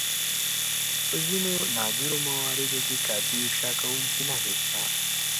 په ځينو نادرو مواردو کې کافي افشا کوونکې نښې شته.